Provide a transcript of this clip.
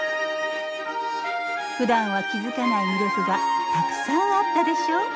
ふだんは気付かない魅力がたくさんあったでしょう？